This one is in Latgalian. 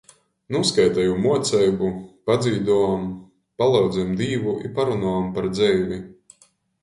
Nūskaiteju muoceibu, padzīduom, palyudzem Dīvu i parunuom par dzeivi.